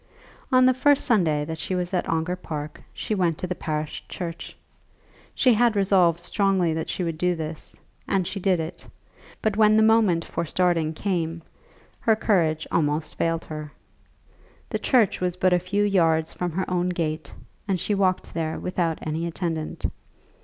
On the first Sunday that she was at Ongar Park she went to the parish church. She had resolved strongly that she would do this, and she did it; but when the moment for starting came, her courage almost failed her. The church was but a few yards from her own gate, and she walked there without any attendant.